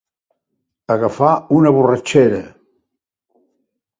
Agafar una borratxera.